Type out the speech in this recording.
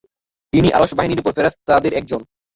ইনি আরশ বহনকারী ফেরেশতাদের একজন।